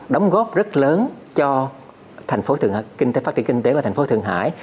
đóng góp rất lớn cho phát triển kinh tế của thành phố thượng hải